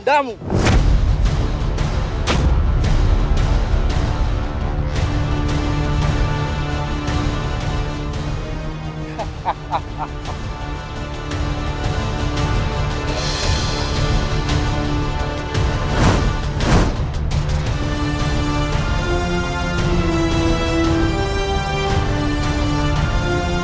pembelahan dari bundamu